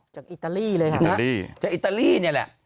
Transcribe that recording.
จากอิตาลีเลยครับจากอิตาลีเนี่ยแหละ